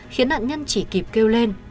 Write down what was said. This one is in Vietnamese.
khiến nạn nhân chỉ kịp kêu lên